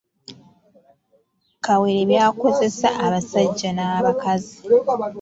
Kawere by’akozesa abasajja n’abakazi